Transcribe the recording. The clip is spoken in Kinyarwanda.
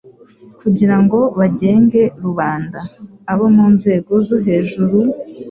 kugira ngo bagenge rubanda. Abo mu nzego zo hejuru,